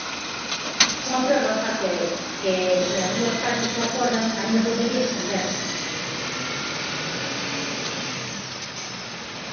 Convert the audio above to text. Unha prórroga que, que se as dúas partes o acordan, aínda podería estenderse.